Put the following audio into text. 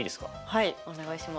はいお願いします。